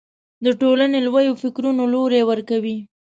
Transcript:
د ټولنې لویو فکرونو لوری ورکوي